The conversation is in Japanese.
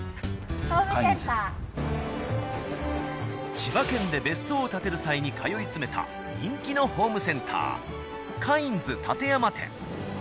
千葉県で別荘を建てる際に通い詰めた人気のホームセンター「カインズ」館山店。